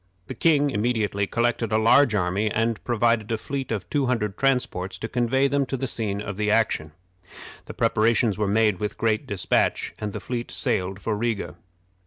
The king immediately collected a large army, and provided a fleet of two hundred transports to convey them to the scene of action. The preparations were made with great dispatch, and the fleet sailed for Riga.